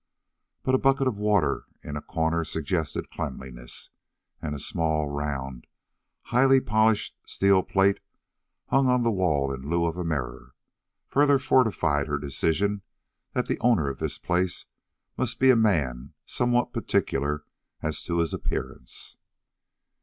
But a bucket of water in a corner suggested cleanliness, and a small, round, highly polished steel plate, hanging on the wall in lieu of a mirror, further fortified her decision that the owner of this place must be a man somewhat particular as to his appearance.